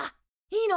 いいの？